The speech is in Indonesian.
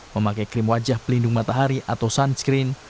memakai krim wajah pelindung matahari atau sunscreen